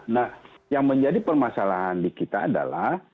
nah yang menjadi permasalahan di kita adalah